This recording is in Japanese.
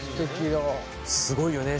すごいよね